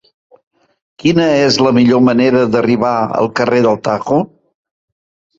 Quina és la millor manera d'arribar al carrer del Tajo?